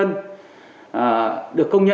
như là con đẻ